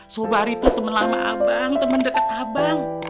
sobari tuh temen lama abang temen deket abang